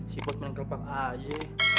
si bos menangkap pak haji